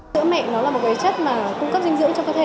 sữa mẹ là một cái chất cung cấp dinh dưỡng cho cơ thể